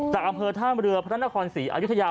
จากอำเภอท่ามเรือพระนครศรีอายุทยา